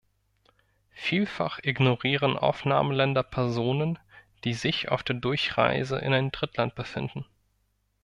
Vielfach ignorieren Aufnahmeländer Personen, die sich auf der Durchreise in ein Drittland befinden.